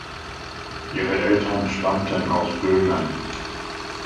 Ihre Eltern stammten aus Böhmen.